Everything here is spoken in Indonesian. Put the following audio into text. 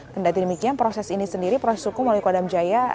dan dari demikian proses ini sendiri proses hukum oleh kodam jaya